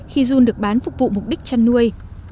khi run được bán phục vụ mục đích chăn nuôi